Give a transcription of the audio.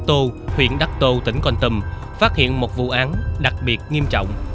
huyện đắc tô huyện đắc tô tỉnh còn tùm phát hiện một vụ án đặc biệt nghiêm trọng